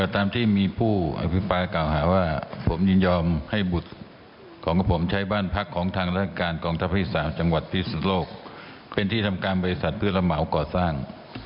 ตามที่มีผู้อภิปรายเก่าหาว่าผมยินยอมให้บุตรของผมใช้บ้านพักของทางราชการกองทัพที่๓จังหวัดพิสุโลกเป็นที่ทำการบริษัทเพื่อระเหมาก่อสร้าง